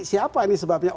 siapa ini sebabnya